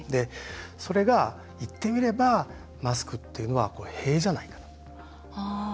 それが言ってみればマスクというのは塀じゃないかと。